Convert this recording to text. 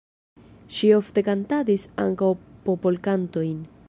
Ŝi ofte kantadis ankaŭ popolkantojn.